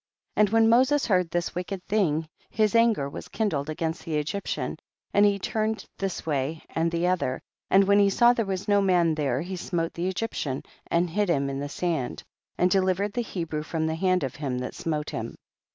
3. And when Moses heard this wicked thing, his anger was kindled against the Egyptian, and he turned this way and the other, and when he saw there was no man there he smote the Egyptian and hid him in the sand, and delivered the Hebrew from the hand of him that smote him.